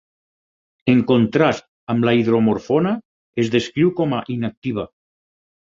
En contrast amb la hidromorfona, es descriu com a inactiva.